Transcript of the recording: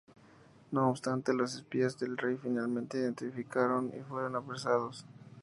No obstante, los espías del rey finalmente lo identificaron y fueron apresados.